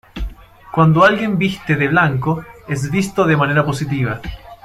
Cuando alguien viste de blanco, es visto de manera positiva.